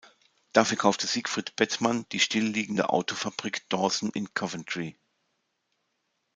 Dafür kaufte Siegfried Bettmann die still liegende Autofabrik Dawson in Coventry.